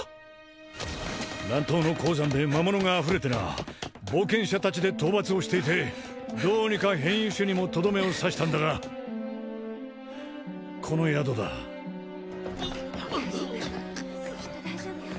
南東の鉱山で魔物があふれてな冒険者達で討伐をしていてどうにか変異種にもとどめを刺したんだがこの宿だ・ううっ・きっと大丈夫よ・